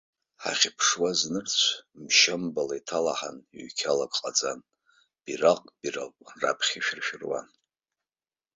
Ҳахьԥшуаз нырцә мшьамбала иҭалаҳаны ҩ-қьалак ҟаҵан, бираҟк-бираҟк раԥхьа ишәыршәыруан.